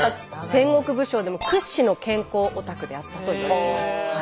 戦国武将でも屈指の健康オタクであったといわれています。